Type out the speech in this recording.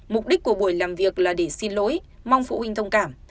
mục đích của buổi làm việc là để xin lỗi mong phụ huynh thông cảm